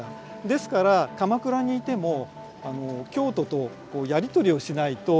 ですから鎌倉にいても京都とやり取りをしないとやっていけない。